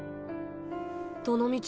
どのみち